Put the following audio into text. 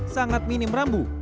sangat minim rambu